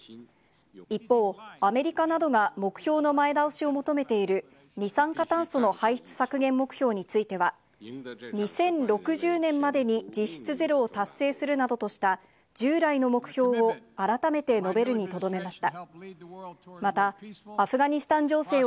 一方、アメリカなどが目標の前倒しを求めている二酸化炭素の排出削減目標については、２０６０年までに実質ゼロを達成するなどとした、従来の目標を改めて述べるにとどめました。